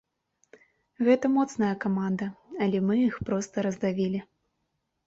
Гэта моцная каманда, але мы іх проста раздавілі.